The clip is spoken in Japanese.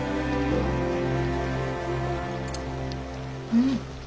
うん。